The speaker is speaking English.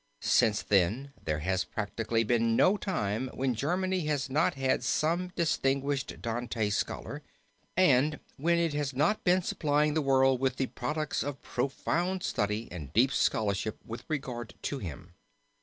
Since then there has practically been no time when Germany has not had some distinguished Dante scholar, and when it has not been supplying the world with the products of profound study and deep scholarship with regard to him.